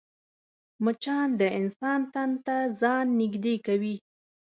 مچان د انسان تن ته ځان نږدې کوي